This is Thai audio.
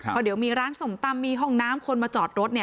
เพราะเดี๋ยวมีร้านส้มตำมีห้องน้ำคนมาจอดรถเนี่ย